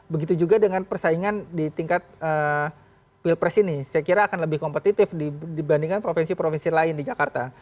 begitu juga dengan persaingan di tingkat pilpres ini saya kira akan lebih kompetitif dibandingkan provinsi provinsi lain di jakarta